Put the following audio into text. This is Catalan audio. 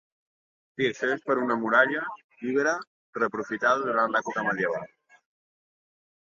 S'hi accedeix per una muralla ibera reaprofitada durant l'època medieval.